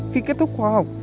khi kết thúc khóa học